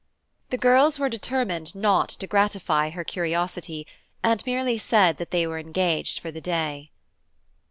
The girls were determined not to gratify her curiosity, and merely said they were engaged for the day.